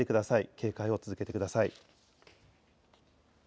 警戒を続けてください。